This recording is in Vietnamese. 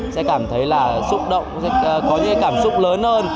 sẽ cảm thấy là xúc động có những cảm xúc lớn hơn